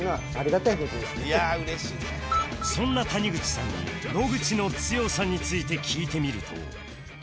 そんな谷口さんに野口の強さについて聞いてみると